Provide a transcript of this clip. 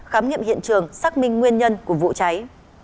khám nghiệm hiện trường xác minh nguyên nhân của vụ cháy